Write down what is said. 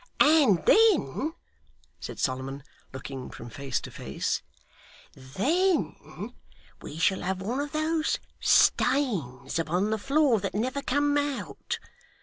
'And then,' said Solomon, looking from face to face, 'then we shall have one of those stains upon the floor that never come out.